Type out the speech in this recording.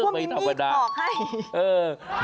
อ๋อเหรอนึกว่ามีนี่ขอให้